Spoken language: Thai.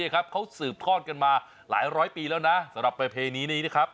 เขาสืบทอดกันมาหลายร้อยปีแล้วนะสำหรับประเพณีนี้นะครับ